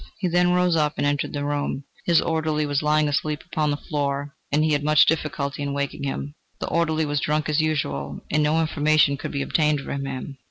He then rose up and entered the next room. His orderly was lying asleep upon the floor, and he had much difficulty in waking him. The orderly was drunk as usual, and no information could be obtained from him.